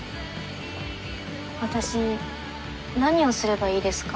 私何をすればいいですか？